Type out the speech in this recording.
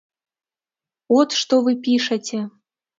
От што вы пішаце.